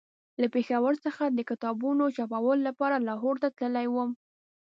له پېښور څخه د کتابونو چاپولو لپاره لاهور ته تللی وم.